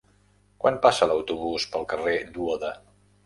Quan passa l'autobús pel carrer Duoda?